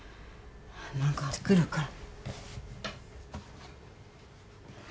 何か作るから。